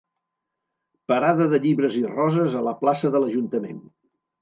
Parada de llibres i roses a la plaça de l'ajuntament.